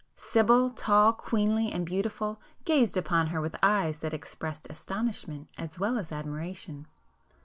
Sibyl, tall, queenly and beautiful, gazed upon her with eyes that expressed astonishment as well as admiration.